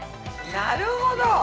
なるほど！